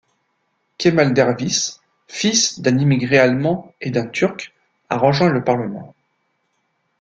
Kemal Derviş, fils d'un immigré allemand et d'un Turc, a rejoint le Parlement.